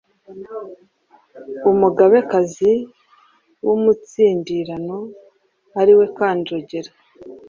umugabekazi w’umutsindirano” ariwe Kanjogera.